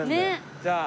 じゃあ。